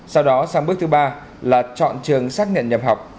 sau đó sang bước thứ ba là chọn trường xác nhận nhập học